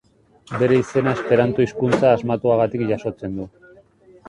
Bere izena esperanto hizkuntza asmatuagatik jasotzen du.